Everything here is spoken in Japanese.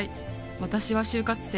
私は就活生。